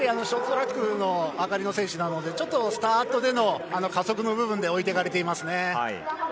ショートトラック上がりの選手なのでちょっとスタートでの加速の部分で置いていかれていますね。